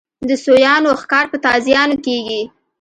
د سویانو ښکار په تازیانو کېږي.